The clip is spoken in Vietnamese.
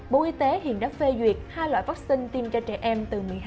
bộ y tế hiện đã phê duyệt hai loại vắc xin tiêm cho trẻ em từ một mươi hai